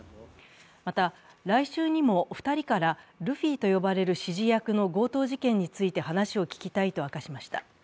また、来週にも２人からルフィと呼ばれる指示役の強盗事件について話を聞きたいと明かしました。